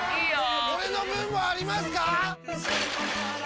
俺の分もありますか！？